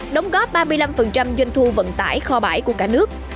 đóng góp ba mươi năm doanh thu vận tải kho bãi của cả nước